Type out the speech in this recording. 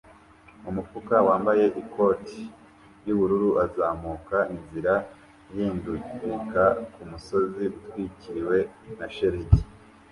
Umufuka wambaye ikoti yubururu azamuka inzira ihindagurika kumusozi utwikiriwe na shelegi